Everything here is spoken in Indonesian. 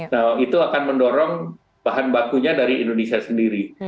nah itu akan mendorong bahan bakunya dari indonesia sendiri